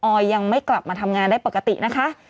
อยยังไม่กลับมาทำงานได้ปกตินะคะ